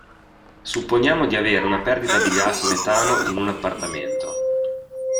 Supponiamo di avere una perdita di gas metano in un appartamento.